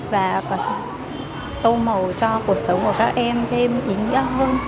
và còn tô màu cho cuộc sống của các em thêm ý nghĩa hơn